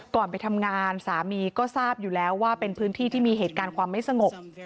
ไปทำงานสามีก็ทราบอยู่แล้วว่าเป็นพื้นที่ที่มีเหตุการณ์ความไม่สงบ